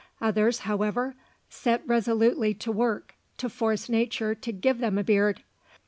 Others, however, set resolutely to work to force nature to give them a beard.